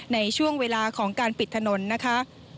ในช่วงเวลาของการปิดถนนนะคะ